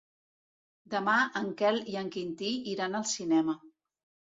Demà en Quel i en Quintí iran al cinema.